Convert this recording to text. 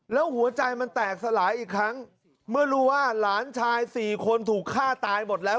แล้วหัวใจมันแตกสลายอีกครั้งเมื่อรู้ว่าหลานชายสี่คนถูกฆ่าตายหมดแล้ว